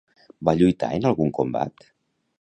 Va lluitar en algun combat?